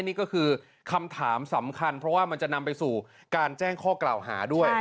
นี่ก็คือคำถามสำคัญเพราะว่ามันจะนำไปสู่การแจ้งข้อกล่าวหาด้วย